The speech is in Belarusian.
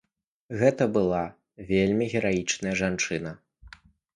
Гэта была вельмі гераічная жанчына.